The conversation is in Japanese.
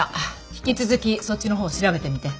引き続きそっちのほう調べてみて。